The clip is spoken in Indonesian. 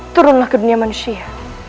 turunlah ke dunia manusia